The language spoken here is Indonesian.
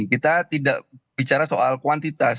kita tidak bicara soal kuantitas